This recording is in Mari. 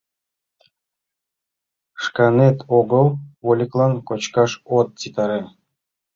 Шканет огыл, вольыклан кочкаш от ситаре.